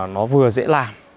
nó vừa dễ làm